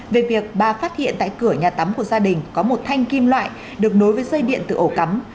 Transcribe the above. về việc bà phát hiện tại cửa nhà tắm của gia đình có một thanh kim loại được nối với dây điện từ ổ cắm